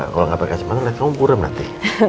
kalau gak baik kacamata deh kamu urem nanti